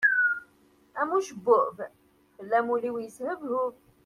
Am ucebbub, fell-am ul-iw yeshebhub.